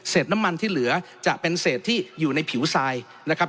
น้ำมันที่เหลือจะเป็นเศษที่อยู่ในผิวทรายนะครับ